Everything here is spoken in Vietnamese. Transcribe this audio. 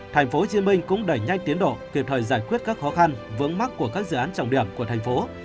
tp hcm cũng đẩy nhanh tiến độ kịp thời giải quyết các khó khăn vững mắc của các dự án trọng điểm của tp hcm